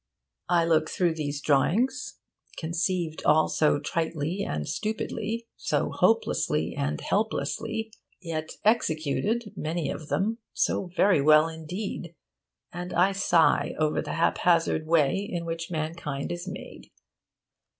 I look through these drawings, conceived all so tritely and stupidly, so hopelessly and helplessly, yet executed many of them so very well indeed, and I sigh over the haphazard way in which mankind is made.